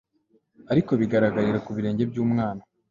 ariko bigaragarira ku birenge by'umwana